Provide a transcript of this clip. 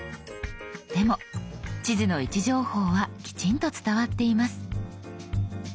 でも地図の位置情報はきちんと伝わっています。